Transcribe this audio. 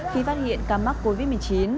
khi phát hiện ca mắc covid một mươi chín